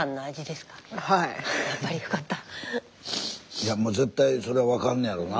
いやもう絶対それは分かんのやろな。